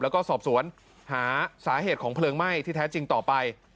แล้วก็สอบสวนหาสาเหตุของเพลิงไหม้ที่แท้จริงต่อไป